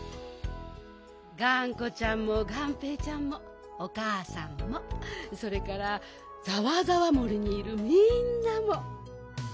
がんこちゃんもがんぺーちゃんもおかあさんもそれからざわざわ森にいるみんなも。